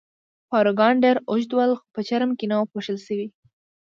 پاروګان ډېر اوږد ول، خو په چرم کې نه وو پوښل شوي.